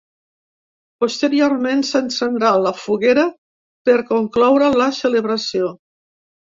Posteriorment s’encendrà la foguera per concloure la celebració.